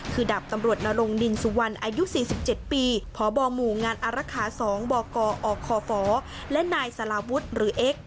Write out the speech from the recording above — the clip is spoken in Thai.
คือดับตำรวจนรงดินสุวรรณอายุสี่สิบเจ็ดปีพบหมู่งานอรัฐขาสองบกอคฟและนายสลาวุธหรือเอ็กซ์